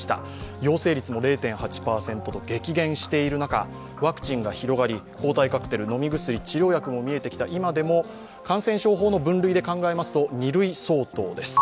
陽性率も０．８％と激減している中ワクチンが広がり、抗体カクテル、飲み薬、治療薬が見えてきた今でも感染症法の分類で考えますと２類相当です。